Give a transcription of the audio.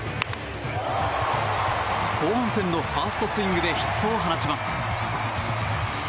後半戦のファーストスイングでヒットを放ちます。